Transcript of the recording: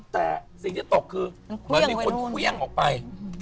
แต่สิ่งที่จะตกคือมันต้องมีคนเควี้ยงออกไป